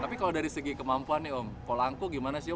tapi kalau dari segi kemampuan nih om polanco gimana sih om